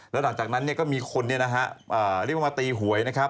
แล้วหลังจากนั้นก็มีคนเรียกว่ามาตีหวยนะครับ